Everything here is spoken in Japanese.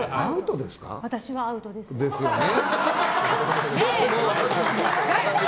私はアウトです。ですよね。